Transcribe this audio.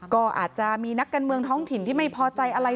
ก็อาจจะมีนักการเมืองท้องถิ่นที่ไม่พอใจอะไร